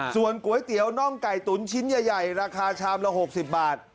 ส่วนก๋วยเตี๋ยวน่องไก่ตุ๋นชิ้นใหญ่ราคาชามละ๖๐บาท